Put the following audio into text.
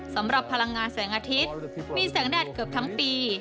สำหรับพลังงานแสงอาทิตย์มีแสงแดดเกือบทั้งปี